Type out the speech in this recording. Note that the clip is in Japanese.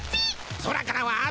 空からは雨。